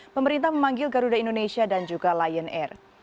pemerintah memanggil garuda indonesia dan juga lion air